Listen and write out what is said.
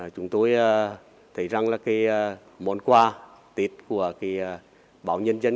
chúng tôi thấy rằng là cái món quả tết của báo nhân dân